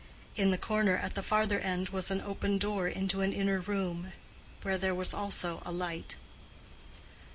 In the corner at the farther end was an open door into an inner room, where there was also a light.